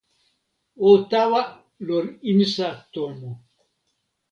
o tawa lon insa tomo.